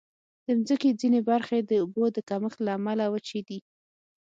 د مځکې ځینې برخې د اوبو د کمښت له امله وچې دي.